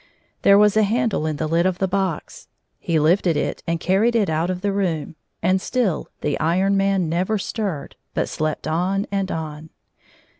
There was a handle in the lid of the box ; he lifted it and carried it out of the room, and still the Iron Man never stirred, but slept on and on.